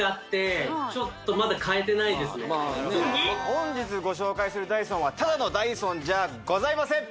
本日ご紹介するダイソンはただのダイソンじゃございません